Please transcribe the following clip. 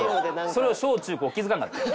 それを小中高気づかんかった。